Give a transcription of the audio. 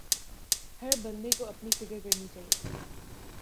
ہر بندے کو اپنی فکر کرنی چاہئے